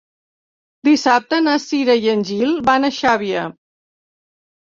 Dissabte na Cira i en Gil van a Xàbia.